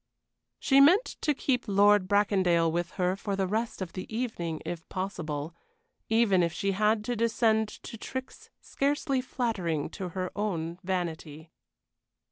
She meant to keep Lord Bracondale with her for the rest of the evening if possible, even if she had to descend to tricks scarcely flattering to her own vanity.